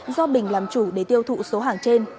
do bình làm chủ để tiêu thụ số hàng trên